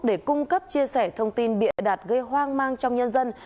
để cung cấp chia sẻ thông tin bịa đặt gây hoang mang trong nhân dân